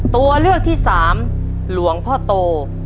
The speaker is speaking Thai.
ตัวเลือกที่สามหลวงพ่อโต